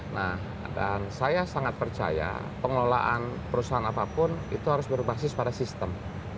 nah dan saya sangat percaya pengelolaan perusahaan apapun itu harus berbasis pada sistem